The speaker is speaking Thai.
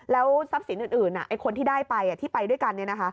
แล้วทรัพย์สินอื่นคนที่ได้ไปที่ไปด้วยกัน